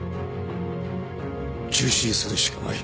中止するしかない。